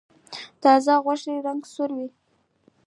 د تازه غوښې رنګ سور وي.